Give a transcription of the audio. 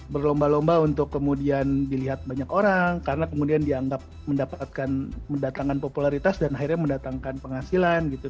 berlomba lomba untuk kemudian dilihat banyak orang karena kemudian dianggap mendapatkan mendatangkan popularitas dan akhirnya mendatangkan penghasilan gitu